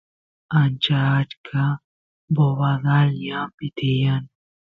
ancha achka bobadal ñanpi tiyan